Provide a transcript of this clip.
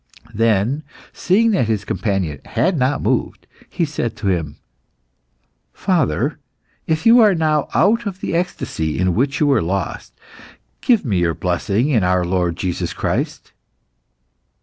Then, seeing that his companion had not moved, he said to him "Father, if you are now out of the ecstasy in which you were lost, give me your blessing in our Lord Jesus Christ."